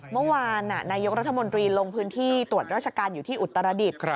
เมื่อวานนี้นายกรัฐมนตรีลงพื้นที่ตรวจราชการอยู่ที่อุตรดิษฐ์